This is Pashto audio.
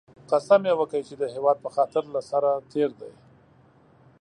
قسم یې وکی چې د هېواد په خاطر له سره تېر دی